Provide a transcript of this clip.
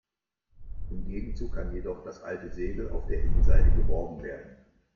Im Gegenzug kann jedoch das alte Segel auf der Innenseite geborgen werden.